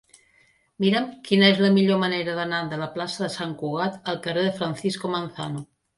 Mira'm quina és la millor manera d'anar de la plaça de Sant Cugat al carrer de Francisco Manzano.